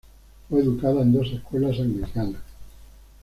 Fue educada en dos escuelas anglicanas.